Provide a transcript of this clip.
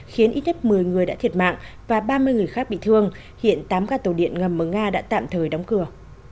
khiến ít nhất một mươi người đã thiệt mạng và ba mươi người khác bị thương hiện tám ca tàu điện ngầm ở nga đã tạm thời đóng cửa